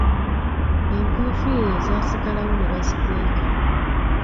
Enkofiira ezaasigalawo ne bazikweka.